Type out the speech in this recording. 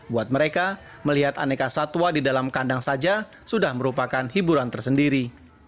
buat mereka melihat aneka satwa di dalam kandang saja sudah merupakan hiburan tersendiri